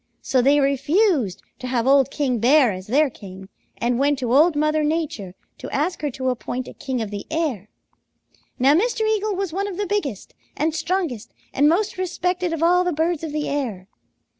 So they refused to have old King Bear as their king and went to Old Mother Nature to ask her to appoint a king of the air. Now Mr. Eagle was one of the biggest and strongest and most respected of all the birds of the air.